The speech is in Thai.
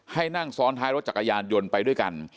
ให้นั่งซ้อนท้ายรถจักรยานยนต์ไปด้วยกัน